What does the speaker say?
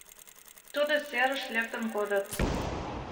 Тудо серыш лектын кодыт